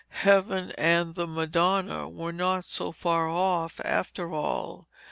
Heaven and the Madonna were not so far off after all.